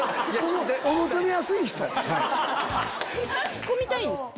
ツッコみたいんですか？